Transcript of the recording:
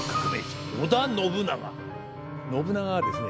信長はですね